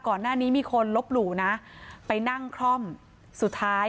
ที่นี่มีคนลบหลู่นะไปนั่งคล่อมสุดท้าย